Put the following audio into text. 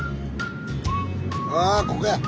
ああここや！